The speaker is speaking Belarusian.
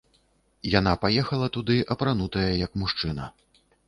Яна паехала туды, апранутая як мужчына.